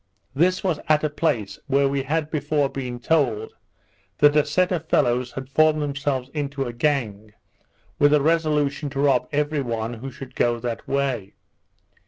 This was at a place where we had before been told, that a set of fellows had formed themselves into a gang, with a resolution to rob every one who should go that way.